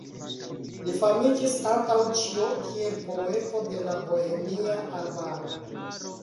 Li famiĝis antaŭ ĉio kiel "poeto de la Bohemia arbaro".